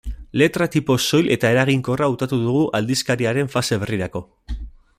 Letra-tipo soil eta eraginkorra hautatu dugu aldizkariaren fase berrirako.